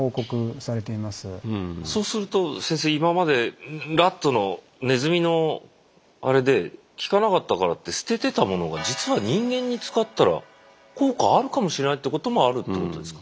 そうすると先生今までラットのネズミのあれで効かなかったからって捨ててたものが実は人間に使ったら効果あるかもしれないということもあるってことですか？